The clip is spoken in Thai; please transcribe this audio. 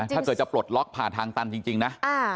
ถ้าเกิดจะปลดล็อกผ่านทางตันจริงนะ